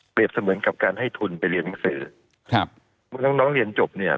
เปรียบเสมือนกับการให้ทุนไปเรียนภาษีภาษีครับน้องน้องเรียนจบเนี่ย